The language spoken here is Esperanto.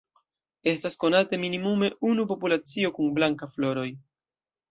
Estas konate minimume unu populacio kun blanka floroj.